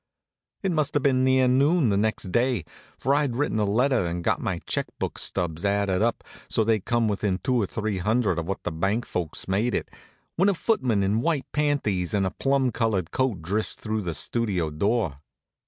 It must have been near noon the next day, for I'd written a letter and got my check book stubs added up so they come within two or three hundred of what the bank folks made it, when a footman in white panties and a plum colored coat drifts through the Studio door.